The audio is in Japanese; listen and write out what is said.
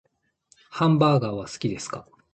ハンバーガーは好きですか？